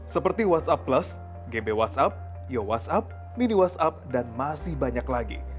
seperti whatsapp plus gamebay whatsapp yo whatsapp mini whatsapp dan masih banyak lagi